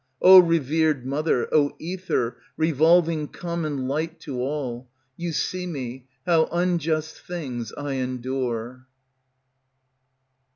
O revered Mother, O Ether Revolving common light to all, You see me, how unjust things I endure!